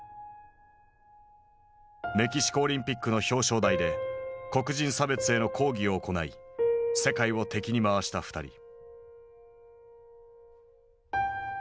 メキシコオリンピックの表彰台で黒人差別への抗議を行い世界を敵に回した２人。